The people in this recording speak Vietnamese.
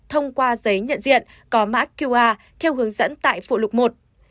thông qua giấy nhận diện có mã qr theo hướng dẫn tại phụ lục một